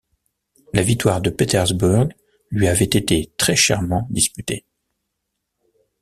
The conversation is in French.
La victoire de Petersburg lui avait été très-chèrement disputée.